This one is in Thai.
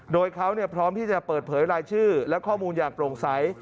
โดยเขาพร้อมที่จะเปิดเผยรายชื่อและข้อมูลอย่างโปร่งใส